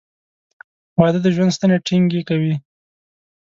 • واده د ژوند ستنې ټینګې کوي.